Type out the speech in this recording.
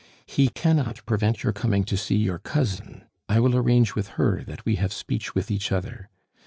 "He cannot prevent your coming to see your cousin; I will arrange with her that we have speech with each other.